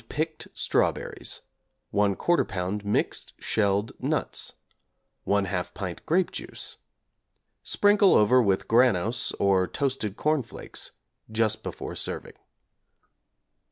picked strawberries, 1/4 lb. mixed shelled nuts, 1/2 pint grape juice. Sprinkle over with 'Granose' or 'Toasted Corn Flakes' just before serving.